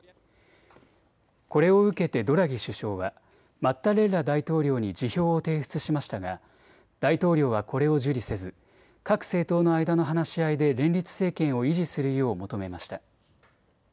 これを受けてドラギ首相はマッタレッラ大統領に辞表を提出しましたが大統領はこれを受理せず各政党の間の話し合いで連立政権を維持するよう求めました。